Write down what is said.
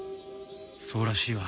そうらしいわ。